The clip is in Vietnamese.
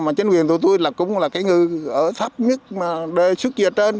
mà chính quyền tụi tôi cũng là cái người ở thấp nhất mà đề xuất gì ở trên